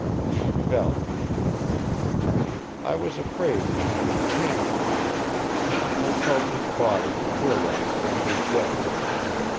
He fell "I was afraid then panicky. I felt his body and realized that he was dead.